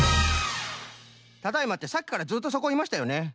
「ただいま」ってさっきからずっとそこいましたよね？